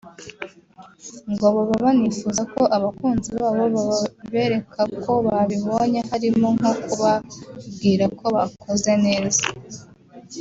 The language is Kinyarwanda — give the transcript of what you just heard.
ngo baba banifuza ko abakunzi babo babereka ko babibonye harimo nko kubabwira ko bakoze neza